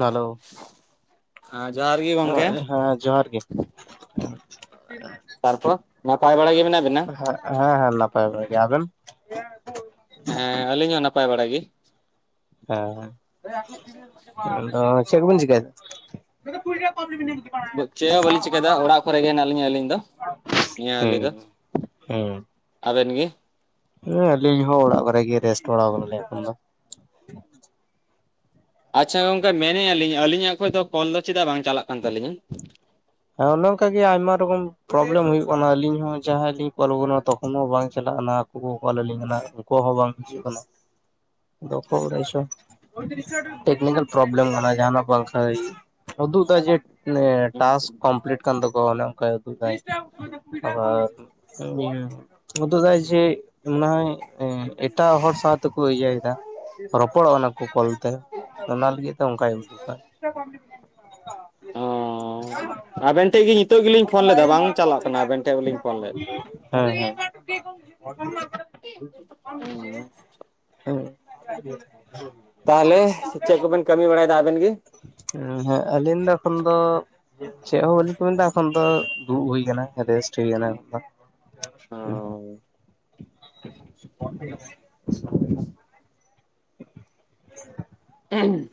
Hello ᱦᱮᱸ ᱡᱚᱦᱟᱨ ᱜᱮ ᱜᱚᱝᱠᱮ ᱦᱮᱸ ᱦᱮᱸ ᱡᱚᱦᱟᱨ ᱜᱮ᱾ ᱛᱟᱨᱯᱚᱨ ᱱᱟᱯᱟᱭ ᱵᱟᱲᱟ ᱜᱮ ᱢᱮᱱᱟᱜ ᱵᱤᱱᱟ? ᱦᱮᱸ ᱦᱮᱸ ᱱᱟᱯᱟᱭ ᱵᱟᱲᱟ ᱜᱮ᱾ ᱟᱵᱤᱱ? ᱦᱮᱸ ᱟᱹᱞᱤᱧ ᱦᱚᱸ ᱱᱟᱯᱟᱭ ᱵᱟᱲᱟ ᱜᱤ᱾ ᱦᱮᱸ ᱦᱮᱸ ᱟᱫᱚ ᱪᱮᱜ ᱠᱚᱵᱤᱱ ᱪᱤᱠᱟᱭ? ᱪᱮᱜ ᱦᱚ ᱵᱟᱹᱞᱤᱧ ᱪᱤᱠᱟᱭᱫᱟ ᱚᱲᱟᱜ ᱠᱚᱨᱮᱜ ᱜᱮ ᱦᱮᱱᱟᱜ ᱞᱤᱧᱟᱹ ᱟᱹᱞᱤᱧ ᱫᱚ᱾ ᱱᱤᱭᱟᱹ ᱦᱟᱹᱞᱤ ᱫᱚ ᱦᱮᱸ ᱦᱮᱸ ᱾ ᱟᱵᱮᱱ ᱜᱮ? ᱦᱮᱸ ᱟᱹᱞᱤᱧ ᱦᱚᱸ ᱚᱲᱟᱜ ᱠᱚᱨᱮᱜ ᱜᱮ ᱨᱮᱥᱴ ᱵᱟᱲᱟᱣ ᱠᱟᱱᱟᱞᱤᱧ ᱮᱠᱷᱚᱱ ᱫᱚ ᱾ ᱟᱪᱪᱷᱟ ᱜᱚᱝᱠᱮ ᱢᱮᱱᱮᱜᱼᱟ ᱞᱤᱧ ᱟᱹᱞᱤᱧᱟᱜ ᱠᱷᱚᱡ ᱫᱚ ᱠᱚᱞ ᱫᱚ ᱪᱮᱫᱟᱜ ᱵᱟᱝ ᱪᱟᱞᱟᱜ ᱠᱟᱱ ᱛᱟᱹᱞᱤᱧᱟ? ᱦᱮᱸ ᱚᱱᱮ ᱚᱝᱠᱟ ᱜᱮ ᱟᱭᱢᱟ ᱨᱚᱠᱚᱢ ᱯᱨᱚᱵᱞᱮᱢ ᱦᱩᱭᱩᱜ ᱠᱟᱱᱟ ᱟᱹᱞᱤᱧ ᱦᱚᱸ ᱡᱟᱦᱟᱸᱭ ᱞᱤᱧ ᱠᱚᱞ ᱟᱠᱚᱠᱟᱱᱟ ᱛᱚᱠᱷᱚᱱ ᱦᱚᱸ ᱵᱟᱝ ᱪᱟᱞᱟᱜ ᱠᱟᱱᱟ ᱾ ᱩᱱᱠᱩ ᱠᱚ ᱠᱚᱞ ᱟᱞᱤᱧ ᱠᱟᱱᱟ ᱩᱝᱠᱩᱭᱟᱜ ᱦᱚᱸ ᱵᱟᱝ ᱦᱤᱡᱩᱜ ᱠᱟᱱᱟ ᱾ ᱫᱚ ᱚᱠᱚᱭ ᱵᱟᱲᱟᱭ ᱪᱚᱝ ᱴᱮᱠᱱᱤᱠᱮᱞ ᱯᱨᱚᱵᱞᱮᱢ ᱠᱟᱱᱟ ᱡᱟᱦᱟ ᱱᱟᱜ ᱵᱟᱝᱠᱷᱟᱡ ᱩᱫᱩᱜ ᱫᱟᱭ ᱡᱮ ᱡᱮ ᱴᱟᱥᱠ ᱠᱚᱢᱯᱞᱤᱴ ᱠᱟᱱ ᱛᱟᱠᱚᱣᱟ ᱚᱱᱮ ᱚᱝᱠᱟᱭ ᱩᱫᱩᱜ ᱫᱟᱭ ᱾ ᱟᱫᱚᱢ ᱤᱭᱟᱹ ᱩᱫᱩᱜᱟᱭ ᱡᱮ ᱢᱚᱱᱮ ᱦᱚᱭ ᱮᱸ ᱮᱴᱟᱜ ᱦᱚᱲ ᱥᱟᱶᱛᱮᱠᱚ ᱤᱭᱟᱹᱭᱮᱫᱟ ᱾ ᱨᱚᱯᱚᱲᱚᱜᱼᱟ ᱚᱱᱟ ᱠᱚ ᱠᱚᱞᱛᱮ ᱚᱱᱟ ᱞᱟᱹᱜᱤᱫ ᱛᱮ ᱚᱝᱠᱟᱭ [unintelligible] ᱚᱸᱻ [unintelligible] ᱟᱵᱮᱱ ᱴᱷᱮᱡ ᱜᱮ ᱱᱤᱛᱚᱜ ᱜᱤᱞᱤᱧ ᱯᱷᱚᱱ ᱞᱮᱫᱟ ᱵᱟᱝ ᱪᱟᱞᱟᱜ ᱠᱟᱱᱟ ᱟᱵᱮᱱ ᱴᱷᱮᱜ ᱦᱚᱞᱤᱧ ᱯᱷᱚᱱ ᱞᱮᱫ ᱾ ᱦᱮᱸ ᱦᱮᱸ ᱾ ᱦᱩᱸ [unintelligible] ᱛᱟᱦᱚᱞᱮ ᱪᱮᱫ ᱠᱚᱵᱮᱱ ᱠᱟᱹᱢᱤ ᱵᱟᱲᱟᱭ ᱮᱫᱟ ᱟᱵᱮᱱ ᱜᱮ? ᱦᱮᱸ ᱟᱹᱞᱤᱧ ᱫᱚ ᱮᱠᱷᱚᱱ ᱫᱚ ᱪᱮᱫ ᱦᱚᱸ ᱵᱟᱹᱞᱤ ᱠᱟᱹᱢᱤ ᱫᱟ ᱮᱠᱷᱚᱱ ᱫᱚ ᱫᱩᱲᱩ ᱦᱩᱭ ᱟᱠᱟᱱᱟ ᱨᱮᱥᱴ ᱦᱩᱭ ᱟᱠᱟᱱᱟ ᱾ ᱚ [unintelligible] [inaudible] [unintelligible]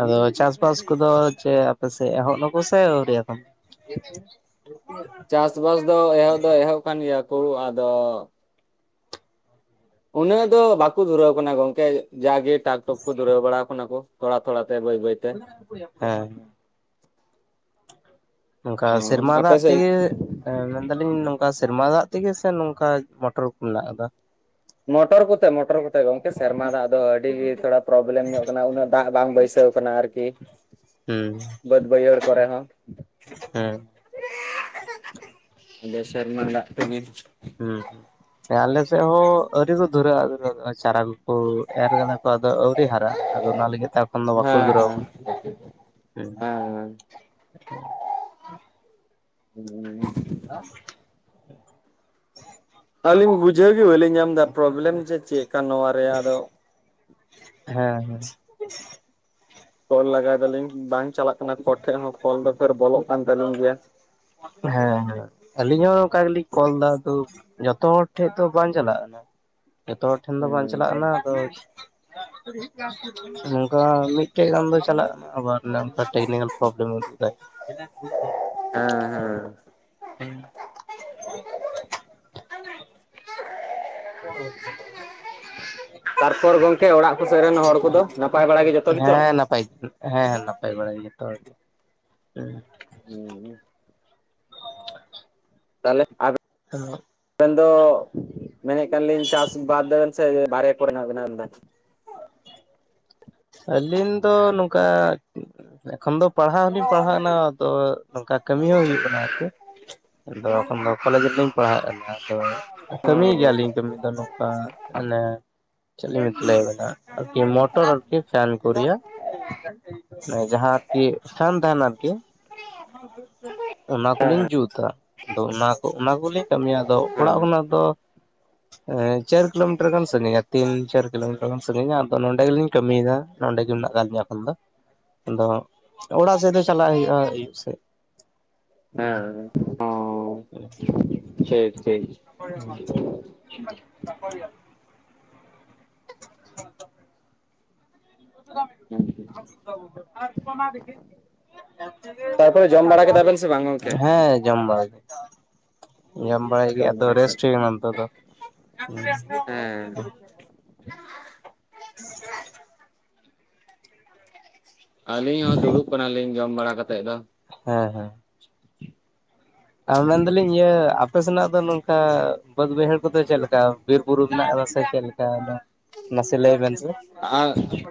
ᱟᱫᱚ ᱪᱟᱥᱵᱟᱥ ᱠᱚᱫᱚ ᱪᱮ ᱟᱯᱮ ᱥᱮᱫ ᱮᱦᱚᱵ ᱫᱟᱠᱚ ᱥᱮ ᱟᱹᱣᱨᱤ ᱮᱠᱷᱮᱱ? [unintelligible] ᱪᱟᱥᱵᱟᱥ ᱫᱚ ᱮᱦᱚᱵ ᱫᱚ ᱮᱦᱚᱵ ᱠᱟᱱ ᱜᱮᱭᱟ ᱠᱚ ᱟᱫᱚ ᱩᱱᱟᱹᱜ ᱫᱚ ᱵᱟᱠᱚ ᱫᱷᱩᱨᱟᱹᱣ ᱟᱠᱟᱱᱟ ᱜᱚᱝᱠᱮ ᱡᱟᱜᱮ ᱴᱟᱠ ᱴᱠ ᱠᱚ ᱫᱷᱩᱨᱟᱹᱣ ᱵᱟᱲᱟ ᱟᱠᱟᱱᱟ ᱠᱚ ᱾ ᱛᱷᱚᱲᱟ ᱛᱷᱚᱲᱟ ᱛᱮ ᱵᱟᱹᱭ ᱵᱟᱹᱭᱛᱮ ᱾ ᱦᱮᱸ ᱾ ᱚᱱᱠᱟ ᱦᱩᱸ ᱥᱮᱨᱢᱟ ᱟᱯᱮ ᱫᱟᱜ ᱥᱮᱫ ᱛᱮᱜᱮᱼᱼ ᱢᱮᱱᱫᱟᱞᱤᱧ ᱱᱚᱝᱠᱟ ᱥᱮᱨᱢᱟ ᱫᱟᱜ ᱛᱮᱜᱮ ᱥᱮ ᱱᱚᱝᱠᱟ ᱢᱚᱴᱚᱨ ᱠᱚ ᱢᱮᱱᱟᱜ ᱟᱠᱟᱫᱟ? ᱢᱚᱴᱚᱨ ᱠᱚᱛᱮ ᱢᱚᱴᱚᱨ ᱠᱚᱛᱮ᱾ ᱜᱚᱝᱠᱮ ᱥᱮᱨᱢᱟ ᱫᱟᱜ ᱫᱚ ᱟᱹᱰᱤ ᱜᱮ ᱛᱷᱚᱲᱟ ᱯᱨᱚᱵᱞᱮᱢ ᱧᱚᱜ ᱟᱠᱟᱱᱟ ᱩᱱᱟᱹᱜ ᱫᱟᱜ ᱵᱟᱝ ᱵᱟᱹᱭᱥᱟᱹᱣ ᱠᱟᱱᱟ ᱟᱨᱠᱤ᱾ ᱦᱩᱸᱻ ᱵᱟᱹᱫ ᱵᱟᱹᱭᱟᱹᱲ ᱠᱚᱨᱮ ᱦᱚᱸ᱾ ᱦᱩᱸ ᱫᱮ ᱥᱮᱨᱢᱟ ᱫᱟᱜ ᱛᱤᱜᱤᱼᱼ ᱦᱩᱸ ᱦᱩᱸ, ᱟᱞᱮ ᱥᱮᱫ ᱦᱚᱸ ᱟᱹᱣᱨᱤ ᱠᱚ ᱫᱷᱩᱨᱟᱹᱜᱼᱟ ᱪᱟᱨᱟ ᱠᱚᱠᱚ ᱮᱨ ᱠᱟᱫᱟ ᱠᱚ ᱟᱫᱚ ᱟᱣᱨᱤ ᱦᱟᱨᱟᱜᱼᱟ᱾ ᱟᱫᱚ ᱚᱱᱟ ᱞᱟᱹᱜᱤᱫ ᱛᱮ ᱮᱠᱷᱚᱱ ᱫᱚ ᱵᱟᱠᱚ ᱫᱷᱩᱨᱟᱹᱣ ᱦᱮᱸ ᱟᱠᱟᱱᱟ ᱦᱮᱸ᱾ ᱦᱩᱸ ᱫᱟᱜᱼᱼ ᱟᱹᱞᱤᱧ ᱵᱩᱡᱷᱟᱹᱣ ᱜᱮ ᱵᱟᱹᱞᱤᱧ ᱧᱟᱢ ᱮᱫᱟ ᱯᱨᱚᱵᱽᱞᱮᱢ ᱡᱮ ᱪᱮᱫ ᱠᱟᱱᱟ ᱱᱚᱣᱟ ᱨᱮᱭᱟᱜ-ᱟ ᱫᱚ᱾ ᱦᱮᱸ ᱦᱮᱸ ᱠᱚᱞ ᱞᱟᱜᱟᱭ ᱫᱟᱞᱤᱧ ᱵᱟᱝ ᱪᱟᱞᱟᱜ ᱠᱟᱱᱟ ᱚᱠᱭ ᱴᱷᱮᱡ ᱦᱚᱸ ᱠᱚᱞ ᱫᱚ ᱯᱷᱮᱨ ᱵᱚᱞᱚᱜ ᱠᱟᱱ ᱛᱟᱹᱟᱞᱤᱧ ᱜᱮᱭᱟ᱾ ᱦᱮᱸ ᱦᱮᱸ ᱟᱞᱤᱧ ᱦᱚᱸ ᱚᱝᱠᱟ ᱜᱮᱞᱤᱧ ᱠᱚᱞ ᱫᱟ ᱟᱫᱚ ᱡᱚᱛᱚ ᱦᱚᱲ ᱴᱷᱮᱡ ᱫᱚ ᱵᱟᱝ ᱪᱟᱞᱟᱜ-ᱟ᱾ ᱡᱚᱛᱚ ᱦᱚᱲ ᱴᱷᱮᱱ ᱫᱚ ᱵᱟᱝ ᱪᱟᱞᱟᱜ ᱠᱟᱱᱟ ᱦᱩᱸ ᱟᱫᱚᱼᱼ ᱱᱚᱝᱠᱟ ᱢᱤᱫᱴᱮᱡ ᱜᱟᱱ ᱫᱚ ᱪᱟᱞᱟᱜ ᱠᱟᱱᱟ ᱟᱵᱟᱨᱠᱟ ᱴᱮᱠᱱᱤᱠᱮᱞ ᱯᱨᱚᱵᱞᱮᱢ ᱩᱫᱩᱜ ᱫᱟᱭ᱾ ᱮ ᱵ [unintelligible] ᱦᱮᱸ ᱦᱮᱸ ᱦᱮᱸ [inaudible] ᱵ [inaudible] ᱛᱟᱨᱯᱚᱨ ᱜᱚᱝᱠᱮ ᱚᱲᱟᱜ ᱠᱚ ᱥᱮᱫ ᱨᱮᱱ ᱦᱚᱲ ᱠᱚᱫᱚ ᱱᱟᱯᱟᱭ ᱵᱟᱲᱟ ᱜᱮ ᱡᱚᱛᱚ ᱜᱮᱪᱚ? ᱦᱮᱸ ᱱᱟᱯᱟᱭ ᱦᱮᱸ ᱱᱟᱯᱟᱭ ᱵᱟᱲᱟ ᱜᱮ ᱡᱚᱛᱚ ᱦᱚᱲ ᱜᱮ ᱦᱮᱸ, ᱦᱩᱸ ᱦᱩᱸ ᱛᱟᱦᱚᱞᱮ ᱟᱨ ᱟᱵᱮᱱ ᱫᱚᱼᱼ ᱢᱮᱱᱮ ᱠᱟᱱ ᱞᱤᱧ ᱪᱟᱥ ᱵᱟᱫ ᱵᱮᱱ ᱥᱮ ᱵᱟᱨᱦᱮ ᱠᱚᱨᱮ ᱢᱮᱱᱟᱜ ᱵᱮᱱᱟ ᱟᱵᱤᱱ ᱫᱚ? ᱟᱹᱞᱤᱧ ᱫᱚ ᱱᱚᱝᱠᱟᱼᱼ ᱮᱠᱷᱚᱱ ᱫᱚ ᱯᱟᱲᱦᱟᱣ ᱦᱚᱸᱞᱤᱧ ᱯᱟᱲᱦᱟᱣ ᱠᱟᱱᱟ ᱟᱫᱚ ᱱᱚᱝᱠᱟ ᱠᱟᱹᱢᱤ ᱦᱚᱸ ᱦᱩᱭᱩᱜ ᱠᱟᱱᱟ ᱟᱨᱠᱤᱼᱼ ᱟᱫᱚ ᱮᱠᱷᱚᱱ ᱫᱚ ᱠᱚᱞᱮᱡᱽ ᱨᱮᱞᱤᱧ ᱯᱟᱲᱦᱟᱜ ᱠᱟᱱᱟ ᱟᱫᱚ ᱠᱟᱹᱢᱤᱤᱭ ᱜᱮᱭᱟᱞᱤᱧ ᱠᱟᱹᱢᱤ ᱫᱚ ᱱᱚᱝᱠᱟᱼᱼ ᱢᱟᱱᱮ ᱪᱮᱫ ᱞᱤᱧ ᱞᱟᱹᱭ ᱟᱵᱮᱱᱟ ᱟᱨᱠᱤ ᱢᱚᱴᱚᱨᱼᱼ ᱟᱨ ᱯᱷᱮᱱ ᱠᱚ ᱨᱮᱭᱟᱜ ᱡᱟᱦᱟᱸ ᱟᱨᱠᱤ ᱯᱷᱮᱱ ᱛᱟᱦᱮᱱᱟ ᱟᱨᱠᱤᱼᱼ ᱚᱱᱟᱠᱩᱞᱤᱧ ᱡᱩᱛᱟ᱾ ᱟᱫᱚ ᱚᱱᱟ ᱠᱚ ᱚᱱᱟ ᱠᱚᱞᱤᱧ ᱠᱟᱹᱢᱤᱭᱟ ᱟᱫᱚ ᱚᱲᱟᱜ ᱠᱷᱚᱱᱟᱜ ᱫᱚᱼᱼ ᱪᱟᱨ ᱠᱤᱞᱳᱢᱤᱴᱟᱨ ᱜᱟᱱ ᱥᱜᱤᱧᱟ ᱛᱤᱱ ᱪᱟᱨ ᱠᱤᱞᱳᱢᱤᱴᱟᱨ ᱜᱟᱱ ᱥᱟᱹᱜᱤᱧᱟ ᱟᱫᱚ ᱱᱚᱸᱰᱮ ᱜᱮᱞᱤᱧᱼᱼ ᱠᱟᱹᱢᱤᱭᱮᱫᱟ ᱱᱚᱸᱰᱮ ᱜᱮ ᱢᱮᱱᱟᱜ ᱟᱠᱟᱫ ᱞᱤᱧᱟ ᱟᱯᱟᱱᱛᱚ᱾ ᱟᱫᱚ ᱦᱟᱜ ᱚᱲᱟᱜ ᱥᱮᱫ ᱫᱚ ᱪᱟᱞᱟᱜ ᱦᱩᱭᱩᱜᱼᱟ ᱟᱹᱭᱩᱵ ᱥᱮᱫ᱾ ᱦᱮᱸ ᱚ [inaudible] ᱴᱷᱤᱠ ᱴᱷᱤᱠ ᱾ [unintelligible] [inaudible] ᱛᱟᱨᱯᱚᱨᱮ ᱡᱚᱢ ᱵᱟᱲᱟ ᱠᱮᱫᱟ ᱵᱮᱱ ᱥᱮ ᱵᱟᱝ ᱜᱚᱝᱠᱮ? ᱦᱮᱸᱼᱼ ᱡᱚᱢ ᱵᱟᱲᱟᱻ ᱡᱚᱢ ᱟᱹᱭᱨᱤ ᱟᱫᱚ ᱵᱟᱲᱟ ᱨᱮᱥᱴ ᱠᱮᱫᱟᱞᱤᱧ᱾ ᱦᱩᱭ ᱟᱠᱟᱱ ᱱᱤᱛᱚᱜ ᱫᱚ ᱾ ᱦᱮᱸ [unintelligible] ᱟᱹᱞᱤᱧ ᱦᱚᱸ ᱫᱩᱲᱩᱵ ᱠᱟᱱᱟᱞᱤᱧ ᱡᱚᱢ ᱵᱟᱲᱟ ᱠᱟᱛᱮᱫ ᱫᱚ ᱾ ᱦᱮᱸ ᱦᱮᱸ ᱢᱮᱱᱫᱟᱞᱤᱧ ᱤᱭᱟᱹ ᱟᱯᱮ ᱥᱮᱱᱟᱜ ᱫᱚ ᱱᱚᱝᱠᱟ ᱵᱟᱹᱫᱽ ᱵᱟᱹᱭᱦᱟᱹᱲ ᱠᱚᱫᱚ ᱪᱮᱫ ᱞᱮᱠᱟ, ᱵᱤᱨ ᱵᱩᱨᱩ [inaudible] ᱢᱮᱱᱟᱜ ᱟᱠᱟᱫᱟ? ᱪᱮᱫ ᱞᱮᱠᱟᱜᱼᱟ? ᱱᱟᱥᱮ ᱞᱟᱹᱭ ᱵᱮᱱ ᱥᱮ ᱾ ᱟ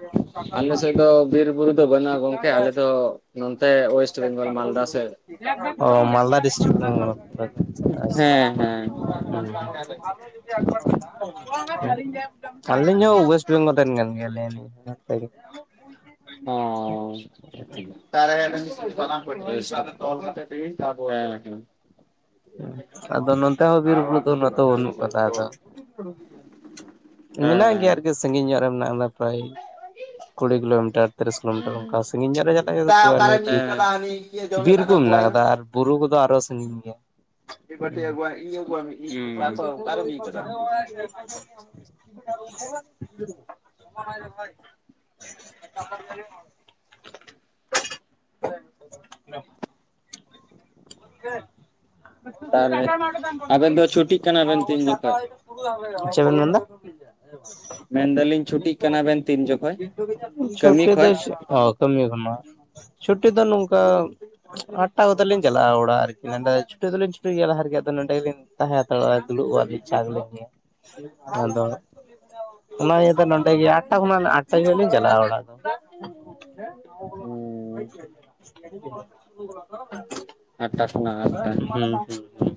[inaudible] ᱟᱞᱮ ᱥᱮᱫ ᱫᱚ ᱵᱤᱨ ᱵᱩᱨᱩᱼᱼ ᱳᱭᱮᱥᱴ ᱵᱮᱝᱜᱚᱞ ᱢᱟᱞᱫᱟ ᱥᱮᱫ ᱚ [inaudible] ᱢᱟᱞᱫᱟ ᱰᱤᱥᱴᱤᱠᱴ ᱠᱷᱚᱱᱼᱺ ᱦᱮᱸ ᱦᱮᱸ ᱚ [unintelligible] [unintelligible] ᱟᱸᱞᱤᱧ ᱦᱚᱸ ᱣᱮᱥᱴ ᱵᱮᱱᱜᱚᱞ [unintelligible] ᱚᱸ [unintelligible] [unintelligible] ᱟᱫᱚ ᱱᱚᱛᱮ ᱦᱚᱸ ᱵᱤᱨ ᱵᱩᱨᱩ ᱫᱚ ᱱᱟᱜ ᱛᱚ ᱵᱟᱹᱱᱩᱜ ᱠᱟᱫᱟ ᱟᱫᱚᱼᱼ ᱢᱮᱱᱟᱜ ᱜᱮᱭᱟ ᱟᱨᱠᱤ ᱥᱟᱺᱜᱤᱧ ᱧᱚᱜ ᱨᱮ ᱢᱮᱱᱟᱜᱼᱟ ᱯᱨᱟᱭᱼᱼ ᱠᱩᱲᱤ ᱠᱤᱞᱳᱢᱤᱴᱟᱨ ᱛᱤᱨᱤᱥ ᱠᱤᱞᱳᱢᱤᱴᱟᱨ ᱚᱱᱠᱟ ᱥᱟᱜᱤᱧ ᱧᱚᱜ ᱨᱮ ᱪᱟᱞᱟᱜ ᱜᱮ ᱛᱚᱵᱮ ᱚᱱᱮ ᱚᱠᱟᱨᱮᱢ ᱤᱫ ᱵᱤᱨ, ᱠᱟᱫᱟ ᱦᱟᱹᱱᱤ ᱤᱭᱟᱹ ᱡᱚᱢᱮᱫ ᱵᱤᱨ ᱠᱟᱱ ᱠᱚ ᱢᱮᱱᱟᱜ ᱟᱹᱜᱩᱣᱟᱭ ᱢᱮ ᱟᱠᱟᱫᱟ ᱟᱨᱼᱼ ᱵᱩᱨᱩ ᱠᱚᱫᱚ ᱟᱨᱚ ᱥᱟᱹᱜᱤᱧ ᱜᱮᱭᱟ ᱾ ᱢᱤᱫ ᱵᱟᱹᱴᱤ ᱟᱹᱜᱩᱣᱟᱭ ᱤᱧ ᱟᱹᱜᱩᱣᱟᱭ ᱢᱮ ᱤᱧ ᱚᱠᱟᱨᱮᱢ ᱤᱫ ᱠᱟᱫᱟ [unintelligible] [unintelligible] [unintelligible] [unintelligible] ᱛᱟᱦᱚᱞᱮ ᱟᱵᱮᱱ ᱫᱚ ᱪᱷᱩᱴᱤᱜ ᱠᱟᱱᱟ ᱵᱮᱱ ᱛᱤᱱ ᱡᱚᱠᱷᱚᱡ [unintelligible] ᱪᱮᱫ ᱵᱤᱱ ᱢᱮᱱ ᱮᱫᱟ ᱾ ᱢᱮᱱᱫᱟᱞᱤᱧ ᱪᱷᱩᱴᱤᱜ ᱠᱟᱱᱟ ᱵᱮᱱ ᱛᱤᱱ ᱡᱚᱠᱷᱚᱡ [unintelligible] ᱪᱷᱳᱴ ᱠᱟᱹᱢᱤ ᱠᱷᱚᱡ ᱮᱫᱟᱭ ᱥᱮ ᱚ ᱠᱟᱹᱢᱤ ᱠᱟᱱᱟ ᱪᱷᱩᱴᱤ ᱫᱚ ᱱᱚᱝᱠᱟ, ᱟᱴᱴᱟ ᱠᱚᱛᱮ ᱞᱤᱧ ᱪᱟᱞᱟᱜᱼᱟ ᱚᱲᱟᱜ ᱟᱨᱠᱤ ᱱᱚᱰᱮᱼᱼ ᱪᱷᱩᱴᱤ ᱫᱚᱞᱤᱧ ᱪᱷᱩᱴᱤ ᱜᱮᱭᱟ ᱞᱟᱦᱟ ᱨᱮᱜᱮ, ᱟᱫᱚ ᱱᱚᱰᱮ ᱞᱤᱧ ᱛᱟᱦᱮᱸ ᱦᱟᱛᱟᱲᱚᱜᱼᱟ ᱫᱩᱲᱩᱵᱼᱚ ᱟᱞᱤᱧ ᱪᱟ ᱠᱚᱞᱤᱧᱭᱟ ᱾ ᱟᱫᱚ ᱚᱱᱟ ᱤᱭᱟᱹᱛᱮ ᱱᱚᱰᱮ ᱜᱮ ᱟᱴᱴᱟ ᱠᱷᱚᱱᱟᱜ ᱟᱴᱴᱟ ᱛᱮᱫᱚ ᱞᱤᱧ ᱪᱟᱞᱟᱜᱼᱟ ᱚᱲᱟᱜ ᱫᱚ ᱾ [unintelligible] ᱟᱴᱴᱟ ᱠᱷᱚᱱᱟᱜ ᱟᱴᱼᱼ ᱦᱩᱸ ᱦᱩᱸ ᱦᱩᱸ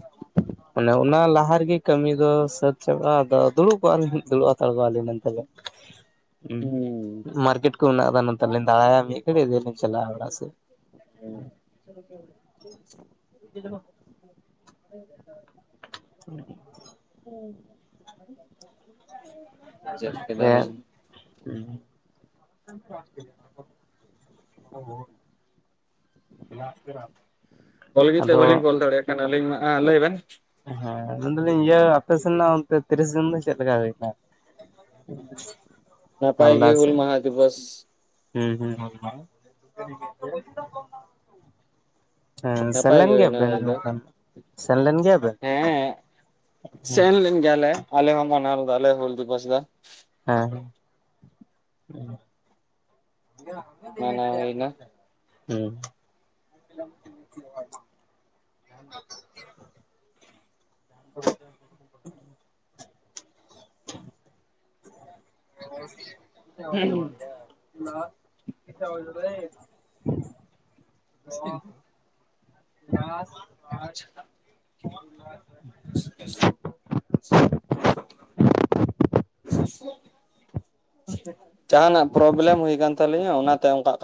ᱟᱱᱮ ᱚᱱᱟ ᱞᱟᱦᱟ ᱨᱮᱜᱮ ᱠᱟᱹᱢᱤ ᱫᱚ ᱥᱟᱹᱛ ᱪᱟᱵᱟᱜᱼᱟ, ᱟᱫᱚ ᱫᱩᱲᱩᱵ ᱠᱚᱜ ᱠᱚ ᱟᱞᱤᱧ ᱫᱩᱲᱩᱵ ᱦᱟᱛᱟᱲ ᱠᱚᱣᱟᱞᱤᱧ ᱢᱮᱱᱛᱮ ᱜᱮ ᱦᱩᱸ ᱾ ᱢᱟᱨᱠᱮᱴ ᱠᱚ ᱢᱮᱱᱟᱜ ᱟᱠᱟᱫᱟ ᱱᱚᱛᱮ ᱞᱤᱧ ᱫᱟᱬᱟᱭᱟ ᱢᱤᱫ ᱜᱷᱟᱹᱲᱤᱡ ᱤᱫᱤᱭᱟᱤᱧ ᱾ ᱦᱩᱸ [unintelligible] [unintelligible] [inaudible] [inaudible] [unintelligible] ᱵᱩᱡᱷᱟᱹᱣ ᱦᱮᱸ ᱠᱮᱫᱟᱞᱤᱧ [unintelligible] ᱟᱫᱚ ᱟᱞᱤᱧ ᱢᱟ ᱦᱟᱜ ᱞᱟᱹᱭ ᱵᱮᱱ ᱦᱮᱸ ᱢᱮᱱᱫᱟ ᱞᱤᱧ ᱤᱭᱟᱹ ᱟᱯᱮ ᱥᱮᱱ ᱨᱮᱱᱟᱜ ᱚᱱᱛᱮ ᱛᱤᱨᱤᱥ ᱡᱩᱱ ᱫᱚ ᱪᱮᱫ ᱞᱮᱠᱟ ᱦᱩᱭᱱᱟ ᱾ [inaudible] ᱱᱟᱯᱟᱭ ᱢᱟᱞᱫᱟ ᱜᱮ ᱦᱩᱞ ᱥᱮᱫ ᱢᱟᱸᱦᱟ ᱫᱤᱵᱚᱥ ᱾ ᱦᱩᱸ ᱦᱩᱸ ᱦᱮᱸ ᱥᱮᱱ ᱱᱟᱯᱟᱭ ᱞᱮᱱ ᱜᱮ ᱜᱮᱭᱟ ᱦᱩᱭᱱᱟ ᱵᱮᱱ ᱦᱩᱭ ᱫᱚ ᱱᱚᱝᱠᱟ ᱥᱮᱱ ᱞᱮᱱ ᱜᱮᱭᱟ ᱵᱮᱱ? ᱦᱮᱸ ᱥᱮᱱ ᱞᱮᱱ ᱜᱮᱭᱟ ᱞᱮ ᱟᱞᱮ ᱦᱚᱸ ᱢᱟᱱᱟᱣ ᱞᱮᱫᱟ ᱞᱮ ᱦᱩᱞ ᱫᱤᱵᱚᱥ ᱫᱚ ᱾ [unintelligible] ᱢᱟᱱᱟᱣ ᱦᱩᱭᱱᱟ [unintelligible] [unintelligible] [unintelligible] [unintelligible] [unintelligible] [unintelligible] [unintelligible] [unintelligible] [unintelligible] [unintelligible] ᱡᱟᱦᱟᱱᱟ ᱯᱨᱚ ᱯᱨᱵᱮᱞᱮᱢ ᱦᱩᱭ ᱠᱟᱱ ᱛᱟᱹᱞᱤᱧᱟ ᱚᱱᱟ ᱛᱮ ᱚᱱᱠᱟ ᱠᱚᱱ